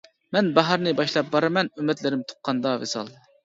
مەن باھارنى باشلاپ بارىمەن، ئۈمىدلىرىم تۇغقاندا ۋىسال.